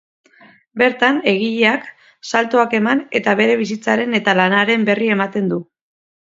Bertan, egileak saltoak eman eta bere bizitzaren eta lanaren berri ematen du.